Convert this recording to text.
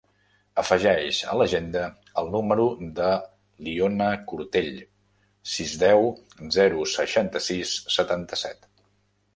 Afegeix a l'agenda el número de l'Iona Cortell: sis, deu, zero, seixanta-sis, setanta-set.